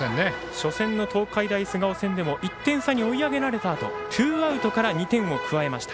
初戦の東海大菅生戦でも１点差に追い上げられたあとツーアウトから２点を加えました。